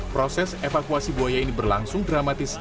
proses evakuasi buaya ini berlangsung dramatis